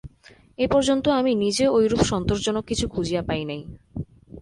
এ পর্যন্ত আমি নিজে ঐরূপ সন্তোষজনক কিছু খুঁজিয়া পাই নাই।